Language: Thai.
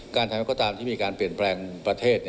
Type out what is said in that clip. การทำให้ประต่างที่มีการเปลี่ยนแปลงประเทศ